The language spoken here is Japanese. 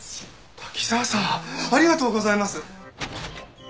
滝沢さんありがとうございます！